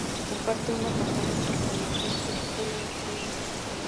Comparte un apartamento con la agente Helen Flynn.